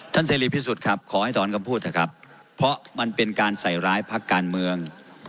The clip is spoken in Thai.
เสรีพิสุทธิ์ครับขอให้ถอนคำพูดเถอะครับเพราะมันเป็นการใส่ร้ายพักการเมือง